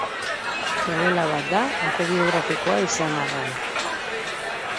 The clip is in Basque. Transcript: Nobela bat da, autobiografikoa izan arren.